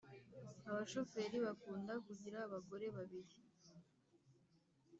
abashoferi bakunda kugira abagore babiri